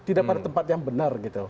tidak pada tempat yang benar gitu